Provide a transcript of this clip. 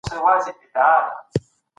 حج کول فرض دی.